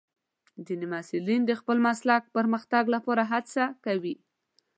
ځینې محصلین د خپل مسلک پرمختګ لپاره هڅه کوي.